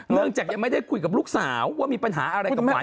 เรื่องจากยังไม่ได้คุยกับลูกสาวว่ามีปัญหาอะไรกับหวาน